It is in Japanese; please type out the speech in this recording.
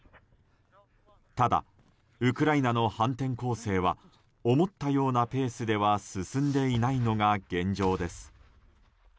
ただ、ウクライナの反転攻勢は思ったようなペースでは進んでいないのが現状です。